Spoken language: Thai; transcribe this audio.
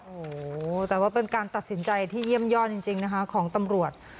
โอ้โหแต่ว่าเป็นการตัดสินใจที่เยี่ยมยอดจริงนะคะของตำรวจ